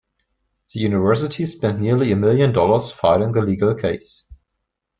The university spent nearly a million dollars fighting the legal case.